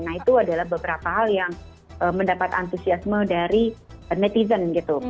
nah itu adalah beberapa hal yang mendapat antusiasme dari netizen gitu